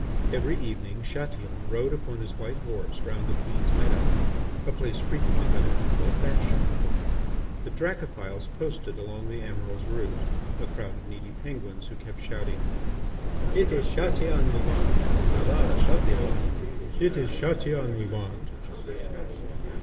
Every evening Chatillon rode upon his white horse round the Queen's Meadow, a place frequented by the people of fashion. The Dracophils posted along the Emiral's route a crowd of needy Penguins who kept shouting: "It is Chatillon we want."